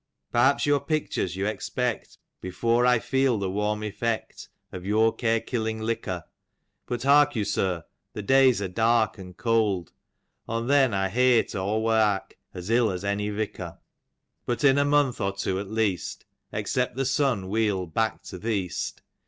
"Perhaps your pictures you expect, Before I feel the warm effect. Of your care kiUing liquor! But hark you, sir, the days are dark. And cold : On then I hete aw viarJc, As iU as any vicar. But in a month, or two, at least, Except the sun wheel back to th' east.